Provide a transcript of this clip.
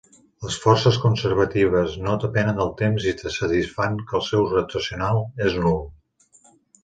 Les forces conservatives no depenen del temps i satisfan que el seu rotacional és nul.